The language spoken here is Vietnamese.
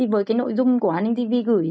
với cái nội dung của aninh tv gửi